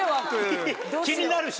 気になるわ。